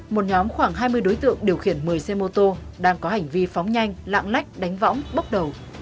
một nhóm khoảng hai mươi đối tượng điều khiển một mươi xe mô tô đang có hành vi phóng nhanh lạng lách đánh võng bốc đầu